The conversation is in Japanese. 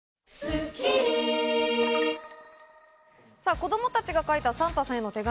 子供たちが書いたサンタさんへの手紙。